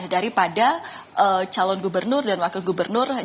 daripada calon gubernur dan wakil gubernur